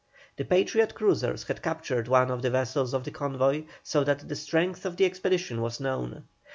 The Patriot cruisers had captured one of the vessels of the convoy, so that the strength of the expedition was known.